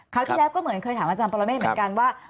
ที่แล้วก็เหมือนเคยถามอาจารย์ปรเมฆเหมือนกันว่า